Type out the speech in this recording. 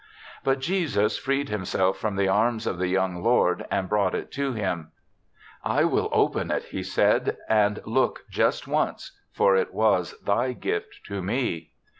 t But Jesus freed himself from the arms of the young lord and brought it to him. " I will open it," he said, "and look just once, for it was thy gift to me."